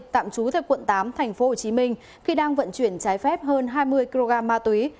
tạm trú tại quận tám thành phố hồ chí minh khi đang vận chuyển trái phép hơn hai mươi kg ma túy